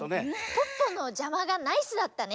ポッポのじゃまがナイスだったね。